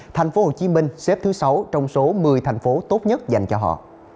thành phố hồ chí minh xếp thứ sáu trong số một mươi thành phố tốt nhất dành cho họ